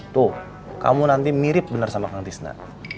tuh kamu nanti mirip bener sama kang tisna